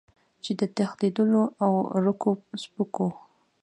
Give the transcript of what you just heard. چې د تښتېدلو او ورکو سپکو